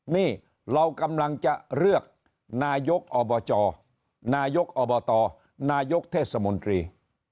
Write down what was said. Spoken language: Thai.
นี่เรากำลังจะเลือกนายกอบจนายกอบตนายกเทศมนตรี